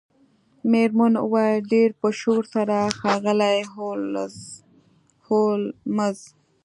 میرمن وویل ډیر په شور سره ښاغلی هولمز